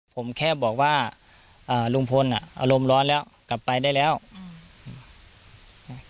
ผมแค่บอกว่าอ่าลุงพลอ่ะอารมณ์ร้อนแล้วกลับไปได้แล้วอืม